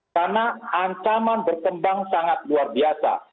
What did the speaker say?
karena ancaman berkembang sangat luar biasa